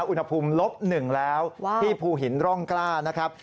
อุณหภูมิลบ๑แล้วที่ภูหินร่องกล้านะครับ